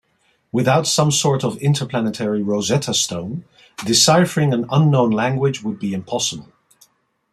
Without some sort of interplanetary Rosetta stone, deciphering an unknown language would be impossible.